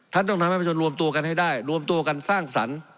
ท่านต้องทำให้ประชาชนรวมตัวกันให้ได้รวมตัวกันสร้างสรรค์